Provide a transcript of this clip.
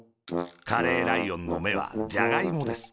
カレーライオンのめは、ジャガイモです。